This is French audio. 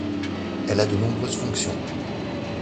Elle a de nombreuses fonctions.